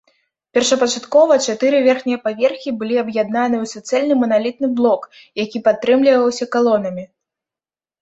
Першапачаткова чатыры верхнія паверхі былі аб'яднаны ў суцэльны маналітны блок, які падтрымліваўся калонамі.